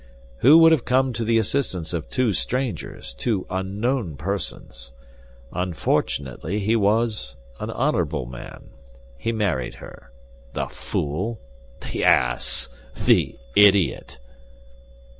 Who would have come to the assistance of two strangers, two unknown persons? Unfortunately he was an honorable man; he married her. The fool! The ass! The idiot!"